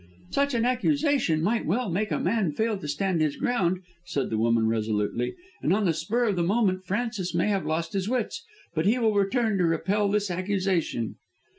"Such an accusation might well make a man fail to stand his ground," said the woman resolutely, "and on the spur of the moment Francis may have lost his wits. But he will return to repel this accusation."